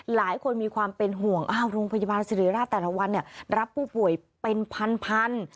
หลายคนมีความเป็นห่วงโรงพยาบาลเสร็จราชแต่ละวันรับผู้ป่วยเป็นพัน